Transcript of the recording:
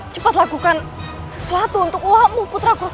cepat lakukan sesuatu untuk wahmu putraku